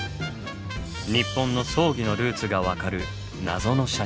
日本の葬儀のルーツがわかる謎の写真集。